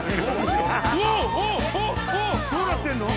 どうなってんの？